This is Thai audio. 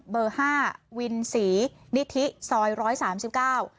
เบอร์ห้าวินศรีนิธิซอยร้อยสามสิบเก้า